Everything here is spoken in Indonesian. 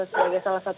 sebagai salah satu